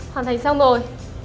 hoàn thành xong rồi